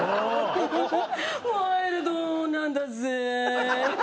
ワイルドなんだぜぇ。